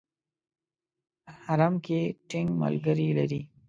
حرم کې ټینګ ملګري لري.